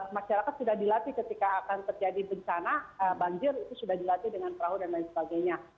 masyarakat sudah dilatih ketika akan terjadi bencana banjir itu sudah dilatih dengan perahu dan lain sebagainya